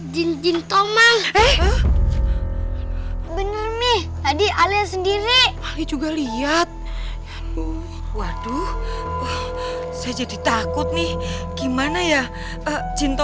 jin tomat bener nih tadi alia sendiri juga lihat waduh saya jadi takut nih gimana ya cinta